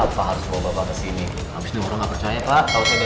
pak bapak ini apa apaan sih pak